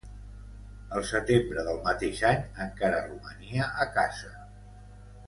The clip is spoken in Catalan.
El setembre del mateix any encara romania a casa.